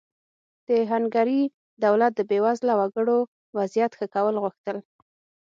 د هنګري دولت د بېوزله وګړو وضعیت ښه کول غوښتل.